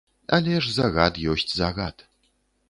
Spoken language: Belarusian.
Але ж загад ёсць загад.